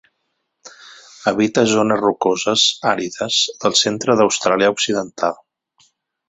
Habita zones rocoses àrides del centre d'Austràlia Occidental.